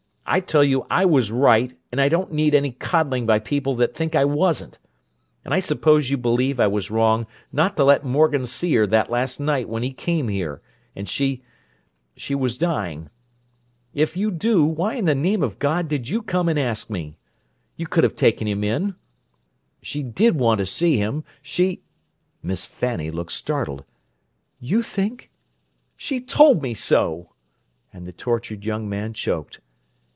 I tell you I was right, and I don't need any coddling by people that think I wasn't! And I suppose you believe I was wrong not to let Morgan see her that last night when he came here, and she—she was dying. If you do, why in the name of God did you come and ask me? You could have taken him in! She did want to see him. She—" Miss Fanny looked startled. "You think—" "She told me so!" And the tortured young man choked.